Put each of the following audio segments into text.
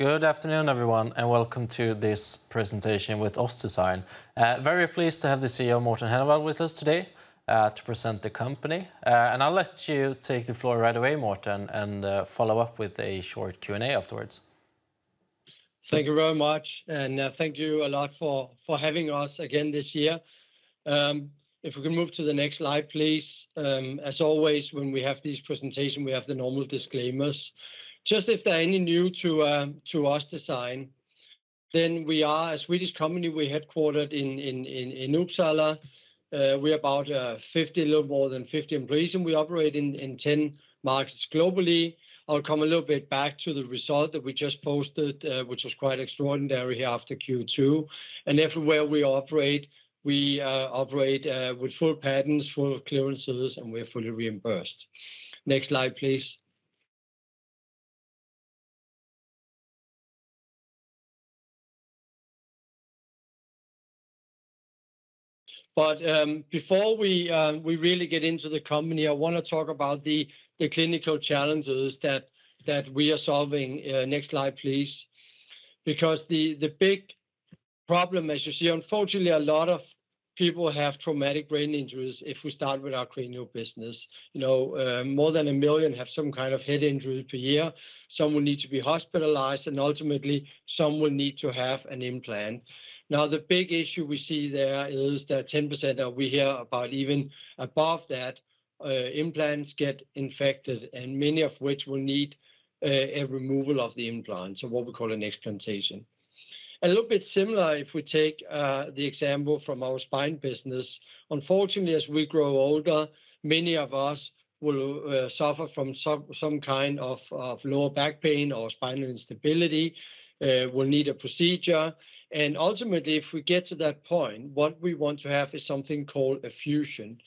Good afternoon, everyone, and welcome to this presentation with OssDsign AB. Very pleased to have the CEO, Morten Henneveld, with us today, to present the company. I'll let you take the floor right away, Morten, and follow up with a short Q&A afterwards. Thank you very much, and thank you a lot for having us again this year. If we can move to the next slide, please. As always, when we have these presentation, we have the normal disclaimers. Just if there are any new to OssDsign, then we are a Swedish company. We're headquartered in Uppsala. We're about 50, a little more than 50 employees, and we operate in 10 markets globally. I'll come a little bit back to the result that we just posted, which was quite extraordinary after Q2. Everywhere we operate, we operate with full patents, full clearances, and we're fully reimbursed. Next slide, please. Before we really get into the company, I wanna talk about the clinical challenges that we are solving. Next slide, please. Because the big problem, as you see, unfortunately, a lot of people have traumatic brain injuries if we start with our cranial business. You know, more than 1 million have some kind of head injury per year. Some will need to be hospitalized, and ultimately, some will need to have an implant. Now, the big issue we see there is that 10%, or we hear about even above that, implants get infected, and many of which will need a removal of the implant, so what we call an explantation. A little bit similar if we take the example from our spine business. Unfortunately, as we grow older, many of us will suffer from some kind of lower back pain or spinal instability, will need a procedure. Ultimately, if we get to that point, what we want to have is something called a fusion.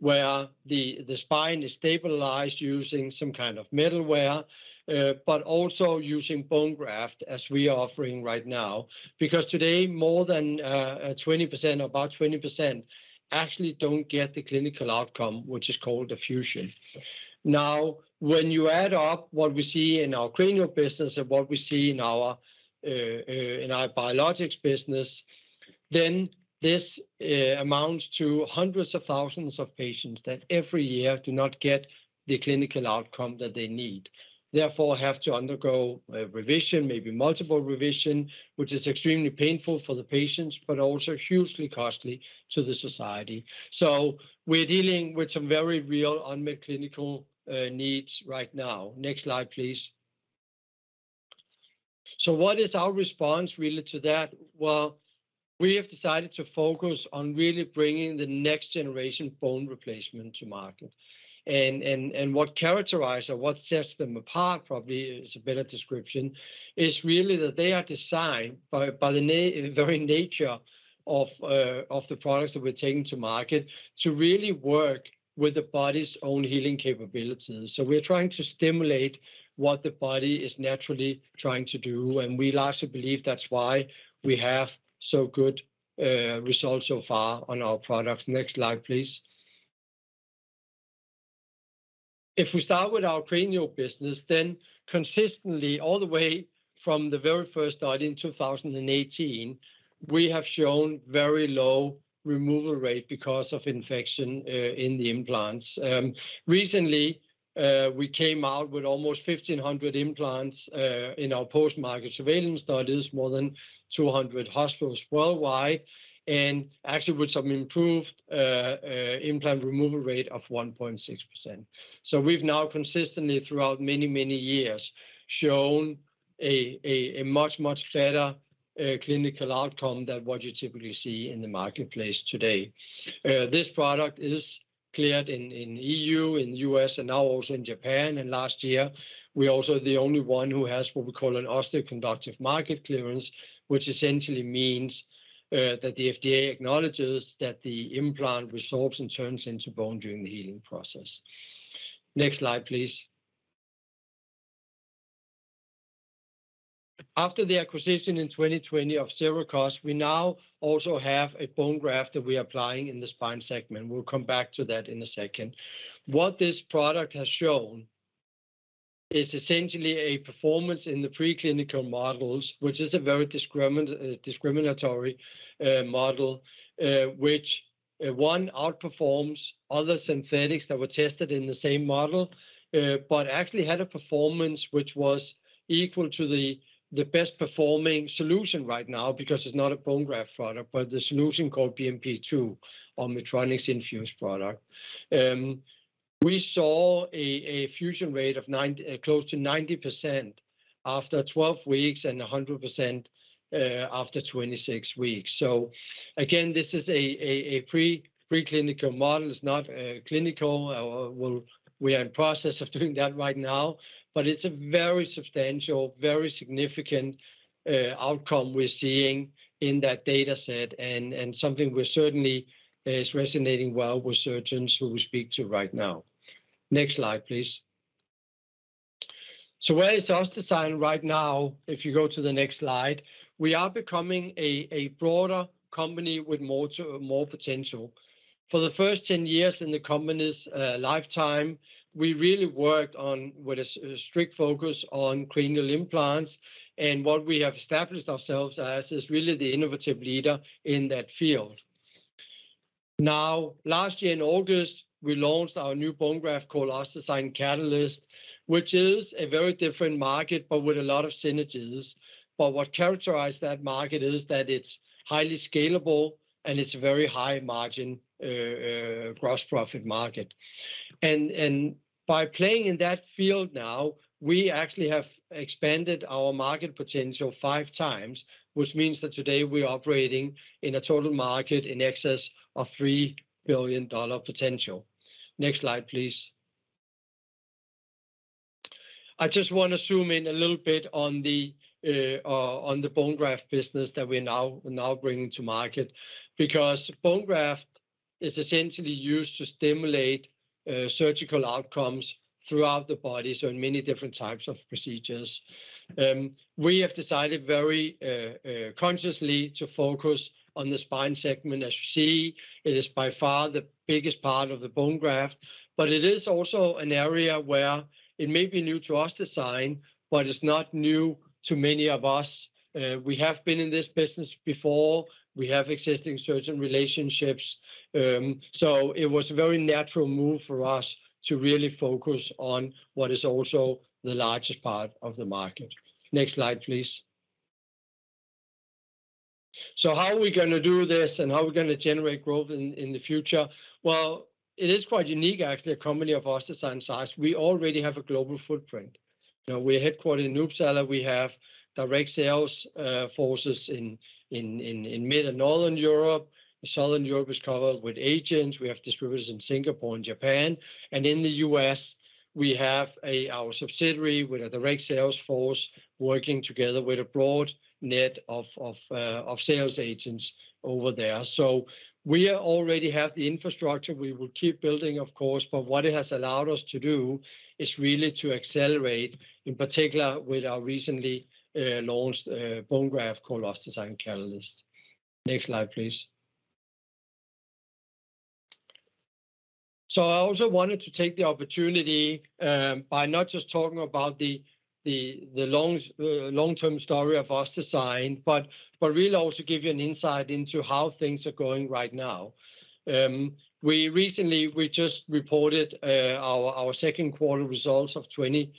Where the spine is stabilized using some kind of metalware, but also using bone graft as we are offering right now. Today, more than 20%, about 20% actually don't get the clinical outcome, which is called a fusion. Now, when you add up what we see in our cranial business and what we see in our biologics business, then this amounts to hundreds of thousands of patients that every year do not get the clinical outcome that they need, therefore have to undergo a revision, maybe multiple revision, which is extremely painful for the patients, but also hugely costly to the society. We're dealing with some very real unmet clinical needs right now. Next slide, please. What is our response really to that? Well, we have decided to focus on really bringing the next generation bone replacement to market. What sets them apart probably is a better description, is really that they are designed by the very nature of the products that we're taking to market to really work with the body's own healing capabilities. We're trying to stimulate what the body is naturally trying to do, and we largely believe that's why we have so good results so far on our products. Next slide, please. If we start with our Cranial business, then consistently all the way from the very first start in 2018, we have shown very low removal rate because of infection in the implants. Recently, we came out with almost 1,500 implants in our post-market surveillance studies, more than 200 hospitals worldwide, and actually with some improved implant removal rate of 1.6%. We've now consistently throughout many, many years shown a much better clinical outcome than what you typically see in the marketplace today. This product is cleared in EU, US, and now also in Japan. Last year, we're also the only one who has what we call an osseoconductive market clearance, which essentially means that the FDA acknowledges that the implant resorbs and turns into bone during the healing process. Next slide, please. After the acquisition in 2020 of Sirakoss, we now also have a bone graft that we are applying in the spine segment. We'll come back to that in a second. What this product has shown is essentially a performance in the preclinical models, which is a very discriminatory model which outperforms other synthetics that were tested in the same model, but actually had a performance which was equal to the best performing solution right now because it's not a bone graft product, but the solution called BMP-2 or Medtronic's Infuse product. We saw a fusion rate close to 90% after 12 weeks and 100% after 26 weeks. Again, this is a preclinical model. It's not clinical. We are in process of doing that right now. It's a very substantial, very significant, outcome we're seeing in that data set and something we're certainly is resonating well with surgeons who we speak to right now. Next slide, please. Where is OssDsign right now? If you go to the next slide. We are becoming a broader company with more potential. For the first 10 years in the company's lifetime, we really worked on with a strict focus on cranial implants, and what we have established ourselves as is really the innovative leader in that field. Now, last year in August, we launched our new bone graft called OssDsign Catalyst, which is a very different market, but with a lot of synergies. What characterize that market is that it's highly scalable, and it's very high margin, gross profit market. By playing in that field now, we actually have expanded our market potential 5x, which means that today we're operating in a total market in excess of $3 billion potential. Next slide, please. I just wanna zoom in a little bit on the bone graft business that we're now bringing to market because bone graft is essentially used to stimulate surgical outcomes throughout the body, so in many different types of procedures. We have decided very consciously to focus on the spine segment. As you see, it is by far the biggest part of the bone graft, but it is also an area where it may be new to OssDsign, but it's not new to many of us. We have been in this business before. We have existing surgeon relationships. It was a very natural move for us to really focus on what is also the largest part of the market. Next slide, please. How are we gonna do this, and how are we gonna generate growth in the future? It is quite unique actually, a company of OssDsign's size. We already have a global footprint. Now, we're headquartered in Uppsala. We have direct sales forces in mid and Northern Europe. Southern Europe is covered with agents. We have distributors in Singapore and Japan. In the U.S., we have our subsidiary with a direct sales force working together with a broad net of sales agents over there. We already have the infrastructure. We will keep building of course, but what it has allowed us to do is really to accelerate, in particular with our recently launched bone graft called OssDsign Catalyst. Next slide, please. I also wanted to take the opportunity by not just talking about the long-term story of OssDsign, but really also give you an insight into how things are going right now. We recently just reported our second quarter results of 2022,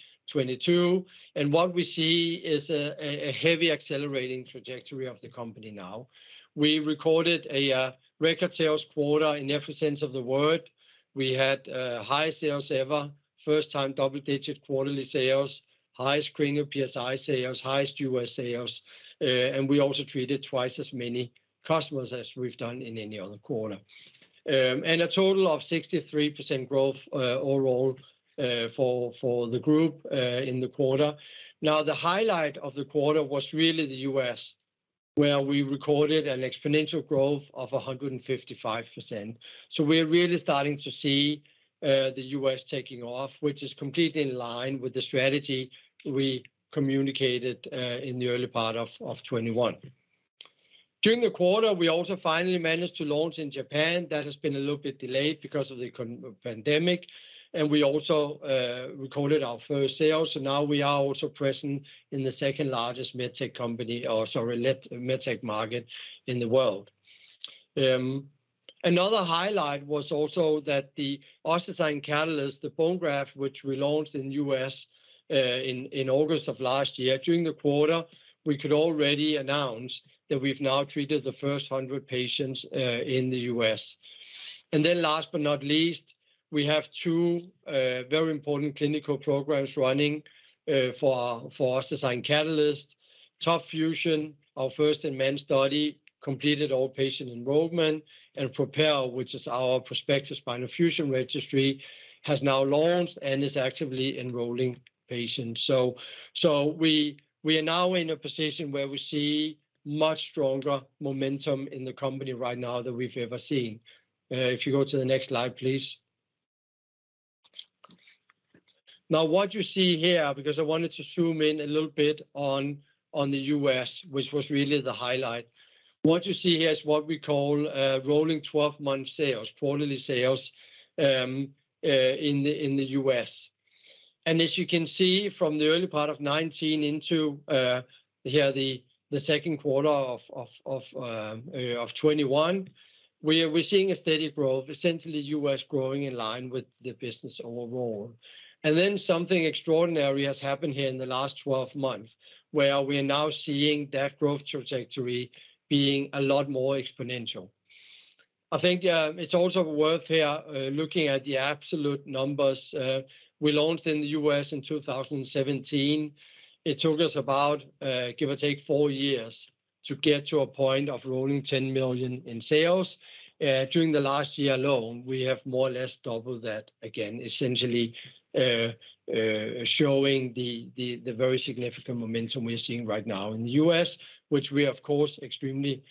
and what we see is a heavy accelerating trajectory of the company now. We recorded a record sales quarter in every sense of the word. We had highest sales ever. First time double-digit quarterly sales. Highest cranial PSI sales. Highest U.S. sales. And we also treated twice as many customers as we've done in any other quarter. A total of 63% growth overall for the group in the quarter. The highlight of the quarter was really the US, where we recorded an exponential growth of 155%. We're really starting to see the US taking off, which is completely in line with the strategy we communicated in the early part of 2021. During the quarter, we also finally managed to launch in Japan. That has been a little bit delayed because of the pandemic, and we also recorded our first sale. Now we are also present in the second-largest med tech market in the world. Another highlight was also that the OssDsign Catalyst, the bone graft which we launched in U.S., in August of last year, during the quarter, we could already announce that we've now treated the first 100 patients, in the U.S. Then last but not least, we have two very important clinical programs running, for OssDsign Catalyst. TOP FUSION, our first-in-patient study, completed all patient enrollment. PROPEL, which is our prospective spinal fusion registry, has now launched and is actively enrolling patients. We are now in a position where we see much stronger momentum in the company right now than we've ever seen. If you go to the next slide, please. Now, what you see here, because I wanted to zoom in a little bit on the U.S., which was really the highlight. What you see here is what we call rolling 12-month sales, quarterly sales, in the US. As you can see, from the early part of 2019 into here the second quarter of 2021, we're seeing a steady growth, essentially US growing in line with the business overall. Then something extraordinary has happened here in the last 12 months, where we are now seeing that growth trajectory being a lot more exponential. I think it's also worth here looking at the absolute numbers. We launched in the US in 2017. It took us about, give or take, four years to get to a point of rolling 10 million in sales. During the last year alone, we have more or less doubled that again, essentially, showing the very significant momentum we're seeing right now in the US, which we are, of course, extremely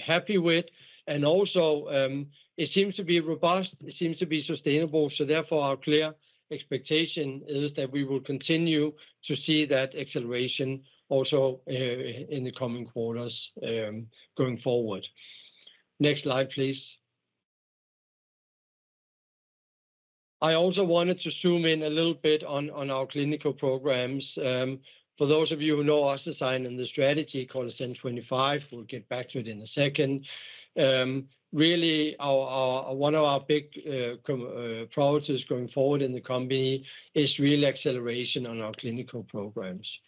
happy with. It seems to be robust. It seems to be sustainable. Therefore, our clear expectation is that we will continue to see that acceleration also, in the coming quarters, going forward. Next slide, please. I also wanted to zoom in a little bit on our clinical programs. For those of you who know OssDsign and the strategy called Ascend'25, we'll get back to it in a second. Really, one of our big priorities going forward in the company is really acceleration on our clinical programs.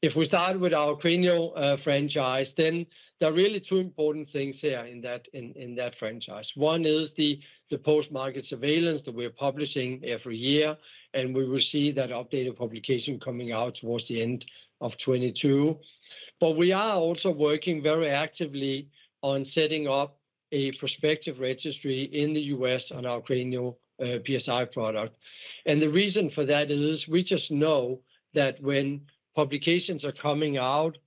If we start with our Cranial franchise, then there are really two important things here in that franchise. One is the post-market surveillance that we're publishing every year, and we will see that updated publication coming out towards the end of 2022. We are also working very actively on setting up a prospective registry in the U.S. on our Cranial PSI product. The reason for that is we just know that when publications are coming out,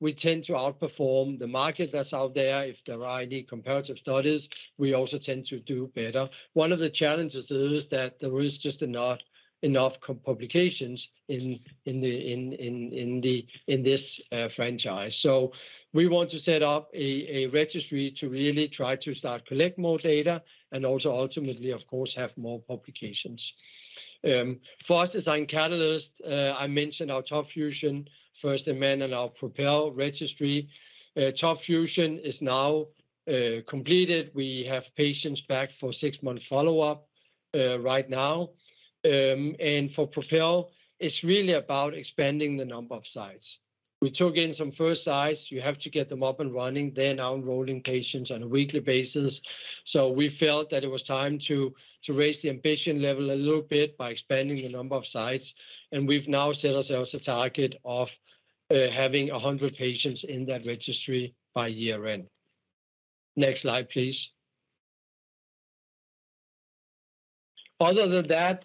we tend to outperform the market that's out there. If there are any comparative studies, we also tend to do better. One of the challenges is that there is just not enough publications in this franchise. We want to set up a registry to really try to start collect more data and also ultimately, of course, have more publications. For OssDsign Catalyst, I mentioned our TOP FUSION first-in-patient and our PROPEL registry. TOP FUSION is now completed. We have patients back for six-month follow-up right now. For PROPEL, it's really about expanding the number of sites. We took in some first sites. You have to get them up and running. They're now enrolling patients on a weekly basis, so we felt that it was time to raise the ambition level a little bit by expanding the number of sites, and we've now set ourselves a target of having 100 patients in that registry by year-end. Next slide, please. Other than that,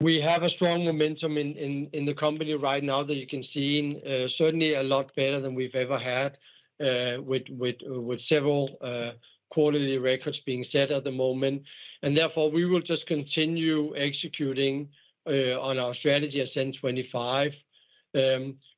we have a strong momentum in the company right now that you can see and certainly a lot better than we've ever had with several quarterly records being set at the moment. Therefore, we will just continue executing on our strategy Ascend'25,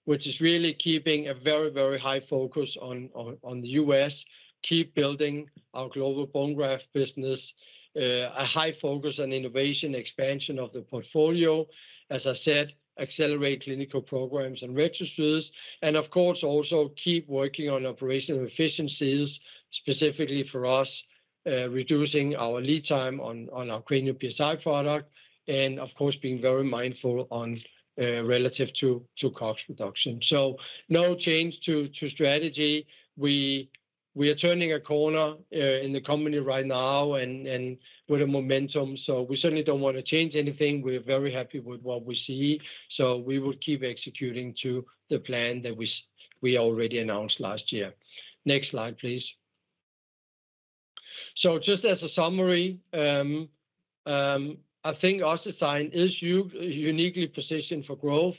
which is really keeping a very, very high focus on the U.S., keep building our global bone graft business, a high focus on innovation, expansion of the portfolio. As I said, accelerate clinical programs and registries, and of course also keep working on operational efficiencies, specifically for us, reducing our lead time on our Cranial PSI product and of course, being very mindful on relative to COGS reduction. No change to strategy. We are turning a corner in the company right now and with a momentum. We certainly don't want to change anything. We're very happy with what we see, so we will keep executing to the plan that we already announced last year. Next slide, please. Just as a summary, I think OssDsign is uniquely positioned for growth.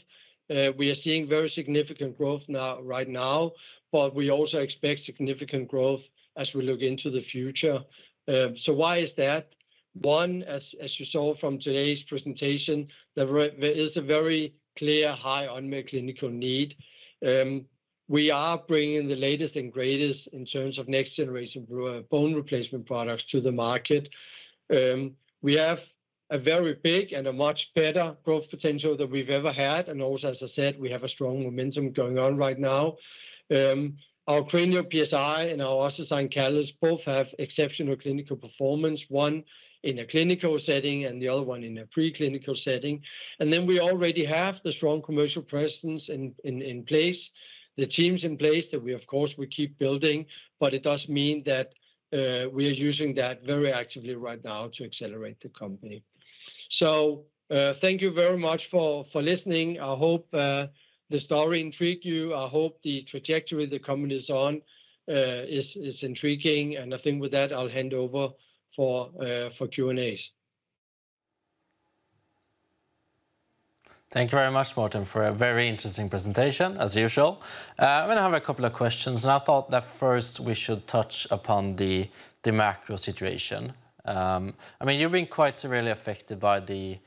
We are seeing very significant growth now, right now, but we also expect significant growth as we look into the future. Why is that? One, as you saw from today's presentation, there is a very clear high unmet clinical need. We are bringing the latest and greatest in terms of next generation bone replacement products to the market. We have a very big and a much better growth potential than we've ever had, and also, as I said, we have a strong momentum going on right now. Our Cranial PSI and our OssDsign Catalyst both have exceptional clinical performance, one in a clinical setting and the other one in a preclinical setting. We already have the strong commercial presence in place, the teams in place that we of course will keep building. It does mean that we are using that very actively right now to accelerate the company. Thank you very much for listening. I hope the story intrigues you. I hope the trajectory the company is on is intriguing. I think with that, I'll hand over for Q&A. Thank you very much, Morten, for a very interesting presentation, as usual. I'm gonna have a couple of questions, and I thought that first we should touch upon the macro situation. I mean, you've been quite severely affected by the,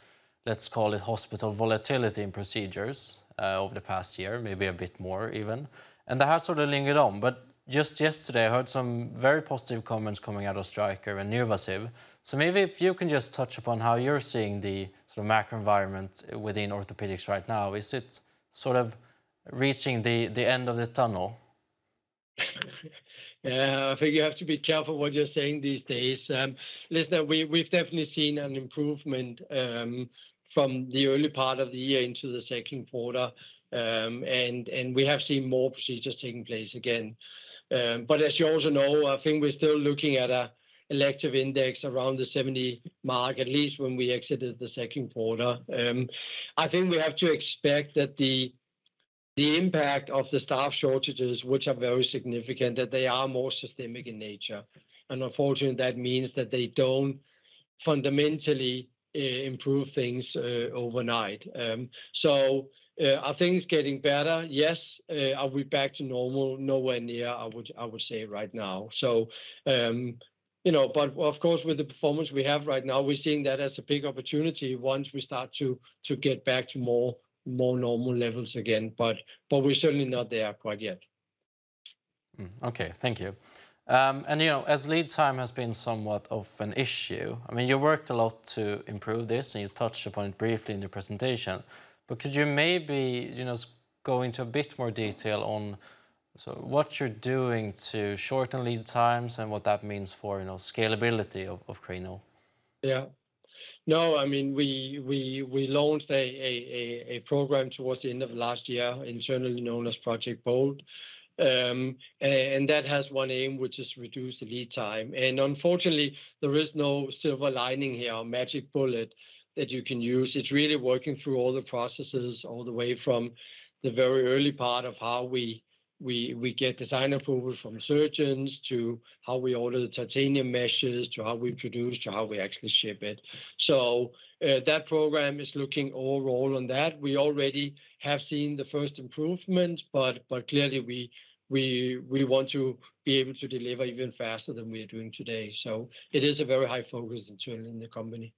let's call it hospital volatility in procedures, over the past year, maybe a bit more even. That has sort of lingered on. Just yesterday, I heard some very positive comments coming out of Stryker and NuVasive. Maybe if you can just touch upon how you're seeing the sort of macro environment within orthopedics right now. Is it sort of reaching the end of the tunnel? Yeah. I think you have to be careful what you're saying these days. Listen, we've definitely seen an improvement from the early part of the year into the second quarter. We have seen more procedures taking place again. As you also know, I think we're still looking at an elective index around the 70 mark, at least when we exited the second quarter. I think we have to expect that the impact of the staff shortages, which are very significant, that they are more systemic in nature. Unfortunately, that means that they don't fundamentally improve things overnight. Are things getting better? Yes. Are we back to normal? Nowhere near, I would say right now. You know, but of course, with the performance we have right now, we're seeing that as a big opportunity once we start to get back to more normal levels again, but we're certainly not there quite yet. Okay. Thank you. You know, as lead time has been somewhat of an issue, I mean, you worked a lot to improve this, and you touched upon it briefly in your presentation. Could you maybe, you know, go into a bit more detail on, so what you're doing to shorten lead times and what that means for, you know, scalability of Cranial PSI? Yeah. No, I mean, we launched a program towards the end of last year internally known as Project Bold. That has one aim, which is reduce the lead time. Unfortunately, there is no silver lining here or magic bullet that you can use. It's really working through all the processes all the way from the very early part of how we get design approval from surgeons to how we order the titanium meshes to how we produce to how we actually ship it. That program is looking all roll on that. We already have seen the first improvements, but clearly we want to be able to deliver even faster than we are doing today. It is a very high focus internally in the company.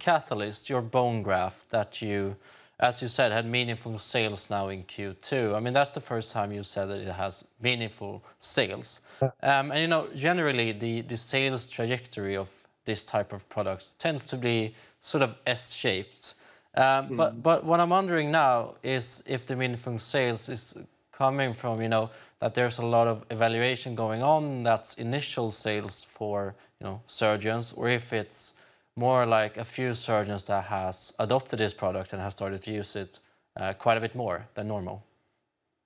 Catalyst, your bone graft that you, as you said, had meaningful sales now in Q2, I mean, that's the first time you said that it has meaningful sales. Yeah. You know, generally the sales trajectory of this type of products tends to be sort of S-shaped. Mm. What I'm wondering now is if the meaningful sales is coming from, you know, that there's a lot of evaluation going on that's initial sales for, you know, surgeons, or if it's more like a few surgeons that has adopted this product and has started to use it quite a bit more than normal?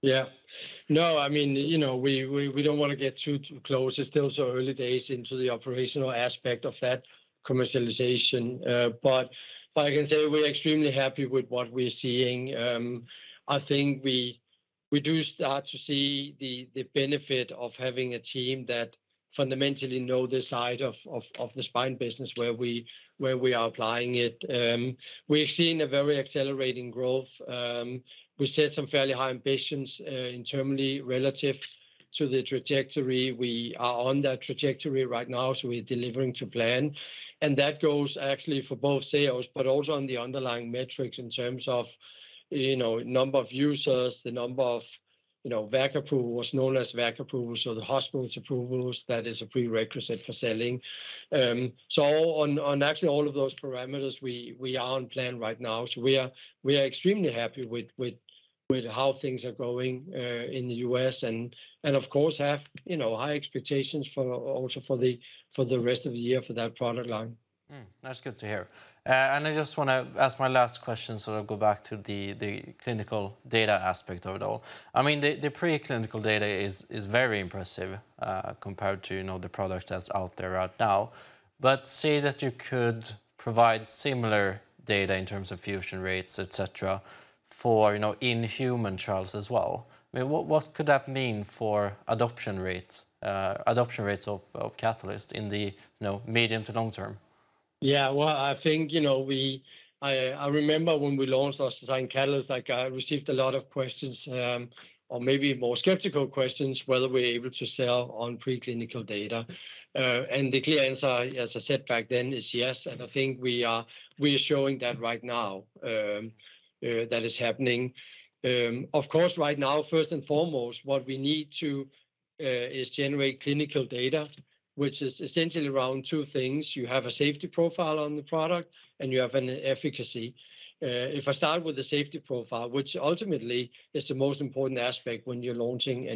Yeah. No, I mean, you know, we don't want to get too close. It's still sort of early days into the operational aspect of that commercialization. But I can say we're extremely happy with what we're seeing. I think we do start to see the benefit of having a team that fundamentally know the side of the spine business where we are applying it. We've seen a very accelerating growth. We set some fairly high ambitions internally relative to the trajectory. We are on that trajectory right now, so we're delivering to plan. That goes actually for both sales, but also on the underlying metrics in terms of, you know, number of users, the number of, you know, VAC approvals, known as VAC approvals or the hospital's approvals that is a prerequisite for selling. On actually all of those parameters, we are on plan right now. We are extremely happy with how things are going in the U.S. and of course have, you know, high expectations for also for the rest of the year for that product line. That's good to hear. I just want to ask my last question, sort of go back to the clinical data aspect of it all. I mean, the preclinical data is very impressive, compared to, you know, the product that's out there right now. Say that you could provide similar data in terms of fusion rates, etc, for, you know, in-human trials as well. I mean, what could that mean for adoption rates of Catalyst in the, you know, medium to long term? Yeah. Well, I think, you know, I remember when we launched our OssDsign Catalyst, like I received a lot of questions, or maybe more skeptical questions, whether we're able to sell on preclinical data. The clear answer, as I said back then, is yes, and I think we are showing that right now, that is happening. Of course, right now, first and foremost, what we need to is generate clinical data, which is essentially around two things. You have a safety profile on the product and you have an efficacy. If I start with the safety profile, which ultimately is the most important aspect when you're launching a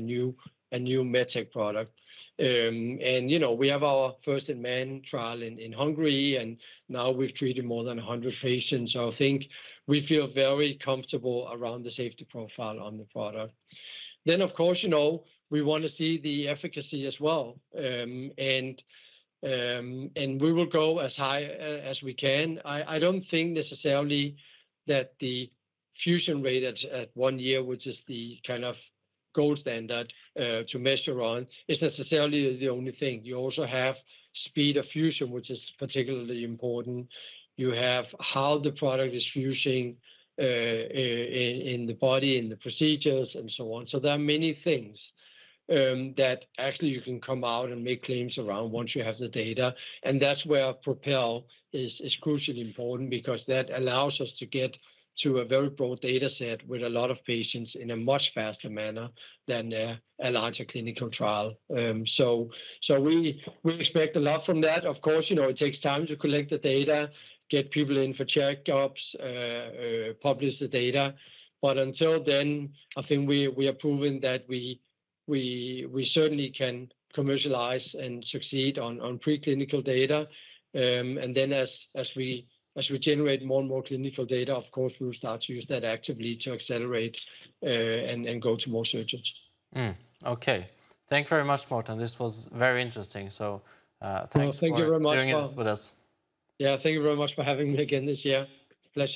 new med tech product. You know, we have our first-in-man trial in Hungary, and now we've treated more than 100 patients. I think we feel very comfortable around the safety profile on the product. Of course, you know, we want to see the efficacy as well. We will go as high as we can. I don't think necessarily that the fusion rate at one year, which is the kind of gold standard to measure on, is necessarily the only thing. You also have speed of fusion, which is particularly important. You have how the product is fusing in the body, in the procedures and so on. There are many things that actually you can come out and make claims around once you have the data, and that's where PROPEL is crucially important because that allows us to get to a very broad data set with a lot of patients in a much faster manner than a larger clinical trial. We expect a lot from that. Of course, you know, it takes time to collect the data, get people in for checkups, publish the data. But until then, I think we are proving that we certainly can commercialize and succeed on preclinical data. And then as we generate more and more clinical data, of course, we'll start to use that actively to accelerate and go to more surgeons. Okay. Thank you very much, Morten. This was very interesting. No, thank you very much, Paul. Thanks for doing it with us. Yeah. Thank you very much for having me again this year. Pleasure.